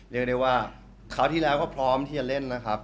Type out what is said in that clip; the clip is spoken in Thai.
เรียกได้ว่าคราวที่แล้วก็พร้อมที่จะเล่นนะครับ